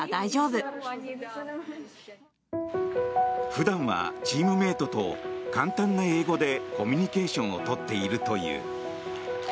普段はチームメートと簡単な英語でコミュニケーションを取っているという。